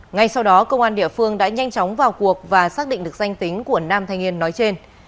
ngay sau đó công an địa phương đã nhanh chóng vào cuộc và xác định được danh tính của nam thanh niên nói trên